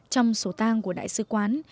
trong sổ tang của đại sứ quán